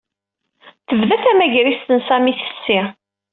Tebda tamagrist n Sami tfessi.